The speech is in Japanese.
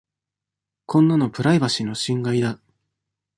こんなのプライバシーの侵害だ。